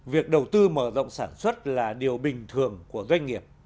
việc đầu tư mở rộng sản xuất là điều bình thường